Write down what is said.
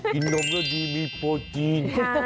กินนมก็ดีมีโปรทีน